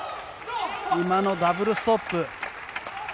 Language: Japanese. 今のダブルストップ。